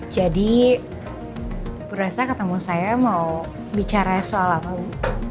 jadi berasa ketemu saya mau bicara soal apa bu